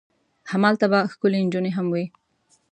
همالته به ښکلې نجونې هم وي.